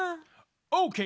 オーケー！